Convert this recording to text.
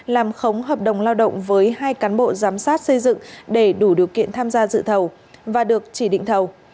làm khống hợp đồng lao động với hai cán bộ giám sát xây dựng để đủ điều kiện tham gia dự thầu và được chỉ định thầu